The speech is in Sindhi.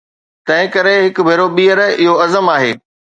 تنهنڪري هڪ ڀيرو ٻيهر اهو عزم آهي